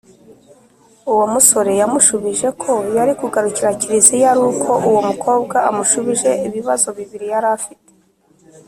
Uwo musore yamushubije ko yari kugarukira kiliziya ari uko uwo mukobwa amushubije ibibazo bibiri yari afite